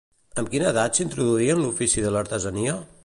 Amb quina edat s'introduí en l'ofici de l'artesania?